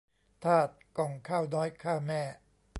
ธาตุก่องข้าวน้อยฆ่าแม่